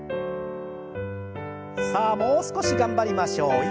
さあもう少し頑張りましょう。